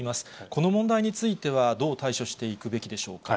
この問題については、どう対処していくべきでしょうか。